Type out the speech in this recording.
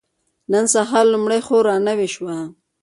نن سهار لومړۍ خور را نوې شوه.